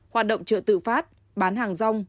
hoạt động trợ tự phát bán hàng rong